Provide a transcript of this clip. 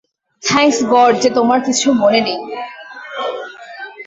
Thanks God, যে তোমার কিছু মনে নেই।